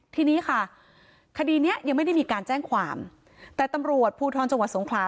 ทีนี้ค่ะคดีเนี้ยยังไม่ได้มีการแจ้งความแต่ตำรวจภูทรจังหวัดสงขลา